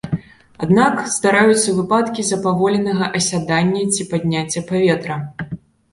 Аднак здараюцца выпадкі запаволенага асядання ці падняцця паветра.